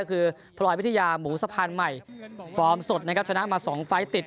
คือพลอยวิทยาหมูสะพานใหม่ฟอร์มสดนะครับชนะมา๒ไฟล์ติด